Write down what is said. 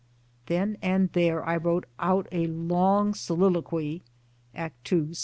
Then and there I wrote out a long soliloquy (Act II. Sc.